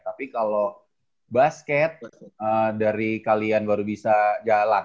tapi kalau basket dari kalian baru bisa jalan